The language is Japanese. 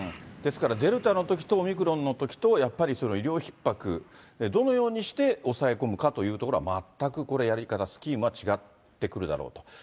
ですからデルタのときとオミクロンのときと、やっぱり医療ひっ迫、どのようにして抑え込むかというところは全くこれ、やり方、スキームは違ってくるだろうと。